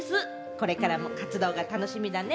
これからも活動が楽しみだね。